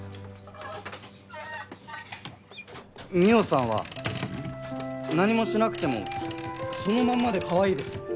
澪さんは何もしなくてもそのまんまでかわいいです。